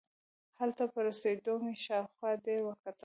هلته په رسېدو مې شاوخوا ډېر وکتل.